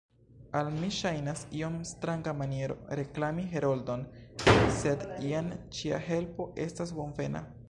Al mi ŝajnas iom stranga maniero reklami Heroldon, sed jen ĉia helpo estas bonvena.